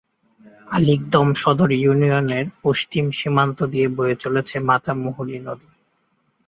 আলীকদম সদর ইউনিয়নের পশ্চিম সীমান্ত দিয়ে বয়ে চলেছে মাতামুহুরী নদী।